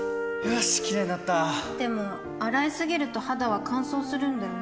よしキレイになったでも、洗いすぎると肌は乾燥するんだよね